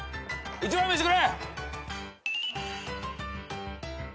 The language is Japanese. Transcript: １番見してくれ！